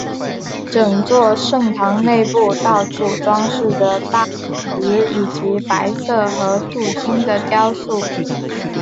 整座圣堂内部到处装饰着大理石以及白色和镀金的雕塑。